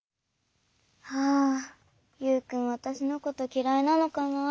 はあユウくんわたしのこときらいなのかな？